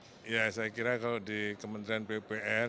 saya kira kalau di kementerian ppr saya kira kalau di kementerian ppr